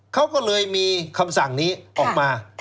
เขาก็เลยมีคำสั่งนี้ออกมา